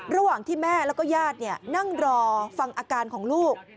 ระหว่างที่แม่แล้วก็ญาตินั่งรอฟังอาการของลูก